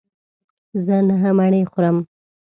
زه نهه مڼې خورم.